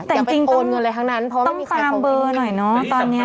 แต่จริงต้องตามเบอร์หน่อยเนอะตอนนี้